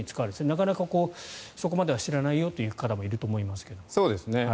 なかなかそこまで知らないよという方もいると思いますが。